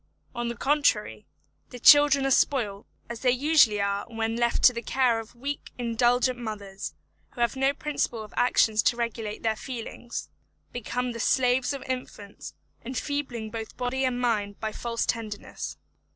On the contrary, the children are spoiled, as they usually are when left to the care of weak, indulgent mothers, who having no principle of action to regulate their feelings, become the slaves of infants, enfeebling both body and mind by false tenderness.